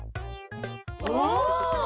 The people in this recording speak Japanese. お！